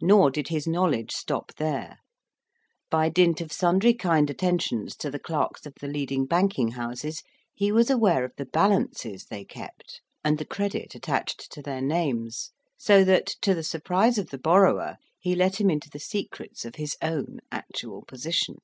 Nor did his knowledge stop there: by dint of sundry kind attentions to the clerks of the leading banking houses, he was aware of the balances they kept; and the credit attached to their names; so that, to the surprise of the borrower, he let him into the secrets of his own actual position.